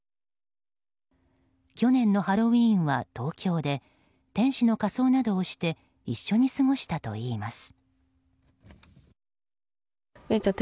去年のハロウィーンは東京で天使の仮装などをして一緒に過ごしたといいます。